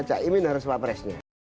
caimin harus cawapresnya